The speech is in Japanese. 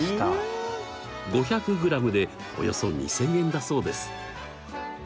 ５００ｇでおよそ２，０００円だそうです。